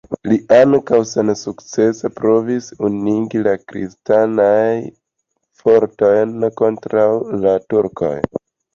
Li ankaŭ sensukcese provis unuigi la kristanajn fortojn kontraŭ la Turkoj.